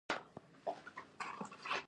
په یو بهرني هېواد خبرې وشوې.